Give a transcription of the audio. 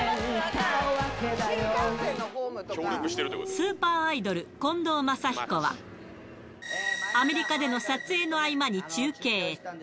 スーパーアイドル、近藤真彦は、アメリカでの撮影の合間に中継。